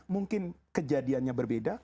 mungkin kejadiannya berbeda